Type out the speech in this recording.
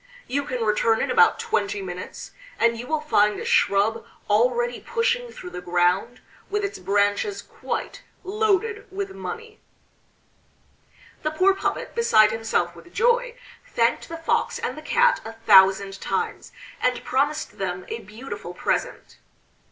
You can return in about twenty minutes, and you will find a shrub already pushing through the ground, with its branches quite loaded with money." The poor puppet, beside himself with joy, thanked the Fox and the Cat a thousand times, and promised them a beautiful present.